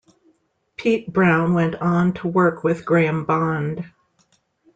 Pete Brown went on to work with Graham Bond.